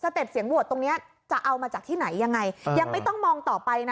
สเต็ปเคยเบียบสินแข่งวิเนอตรงนี้จะเอามาจากที่ไหนยังไม่ต้องมองต่อไป